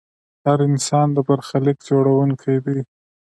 هر انسان د برخلیک جوړونکی دی.